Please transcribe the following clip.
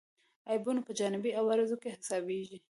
عیبونه په جانبي عوارضو کې حسابېږي.